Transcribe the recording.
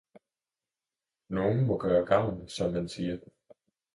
Nogen må gøre gavn, som man siger!